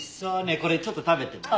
ねえこれちょっと食べても。